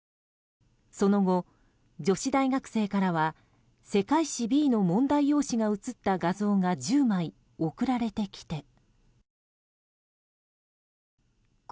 その後、女子大学生からは世界史Ｂの問題用紙が写った画像が１０枚、送られてきて。